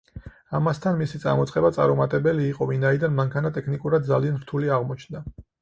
ამასთან, მისი წამოწყება წარუმატებელი იყო, ვინაიდან მანქანა ტექნიკურად ძალიან რთული აღმოჩნდა.